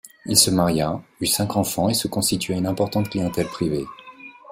Il se maria, eut cinq enfants et se constitua une importante clientèle privée.